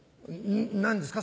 何ですか？